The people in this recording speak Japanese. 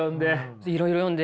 いろいろ読んで。